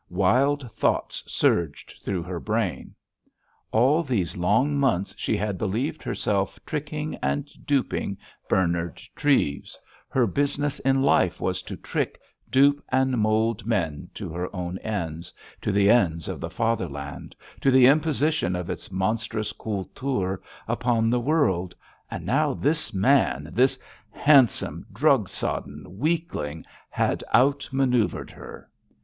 Wild thoughts surged through her brain. All these long months she had believed herself tricking and duping Bernard Treves—her business in life was to trick, dupe, and mould men to her own ends, to the ends of the Fatherland, to the imposition of its monstrous Kultur upon the world—and now this man, this handsome, drug sodden weakling had out manoeuvred her!